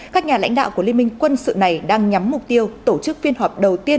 các nhà lãnh đạo của liên minh quân sự này đang nhắm mục tiêu tổ chức phiên họp đầu tiên